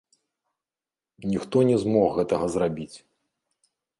Ніхто не змог гэтага зрабіць.